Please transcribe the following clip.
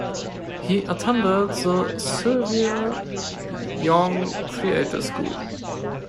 He attended the Sylvia Young Theatre School.